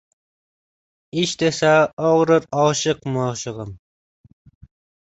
Ish desa, og'rir oshiq-moshig'im